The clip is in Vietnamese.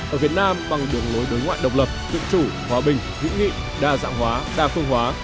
ở việt nam bằng đường lối đối ngoại độc lập tự chủ hòa bình hữu nghị đa dạng hóa đa phương hóa